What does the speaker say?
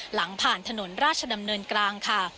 หลังผ่านถนนราชดำเนินกลางค่ะ